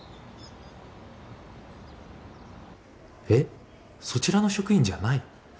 えっそちらの職員じゃない？